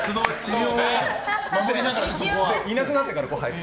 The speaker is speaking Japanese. いなくなってから入って。